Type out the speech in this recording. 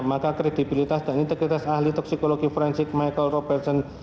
maka kredibilitas dan integritas ahli toksikologi forensik michael robertson